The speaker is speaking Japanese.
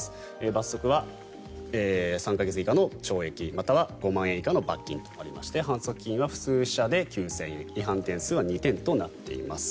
罰則は３か月以下の懲役または５万円以下の罰金とありまして反則金は普通車で９０００円違反点数は２点となっています。